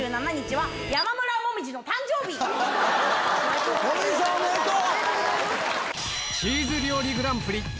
紅葉さんおめでとう！